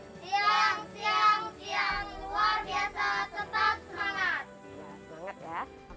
siang siang siang luar biasa tetap semangat ya